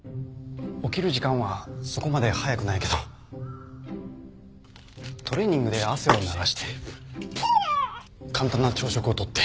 起きる時間はそこまで早くないけどトレーニングで汗を流して簡単な朝食を取って。